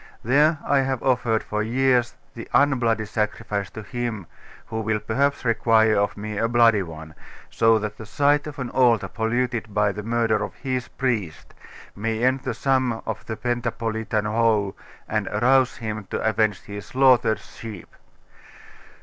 There I have offered for years the unbloody sacrifice to Him, who will perhaps require of me a bloody one, that so the sight of an altar polluted by the murder of His priest, may end the sum of Pentapolitan woe, and arouse Him to avenge His slaughtered sheep!